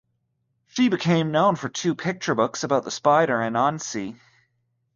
She became known for two picture books about the spider Anansi.